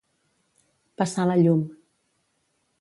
Passar la llum.